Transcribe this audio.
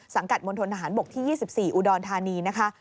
สังกัดมณฑนทหารบกที่๒๔อุดรธานีนะคะ